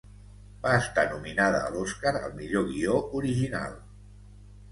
Va estar nominada a l'Oscar al millor guió original.